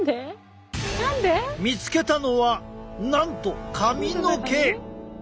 見つけたのはなんと髪の毛！